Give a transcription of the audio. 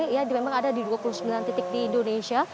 ya memang ada di dua puluh sembilan titik di indonesia